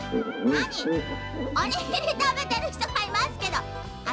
おにぎりたべてるひとがいますけど。